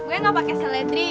gue nggak pakai seledri